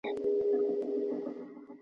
پښتو ژبې ته په دربار کي څومره پاملرنه کيده؟